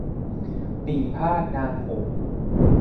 ปี่พาทย์นางหงส์